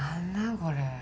これ。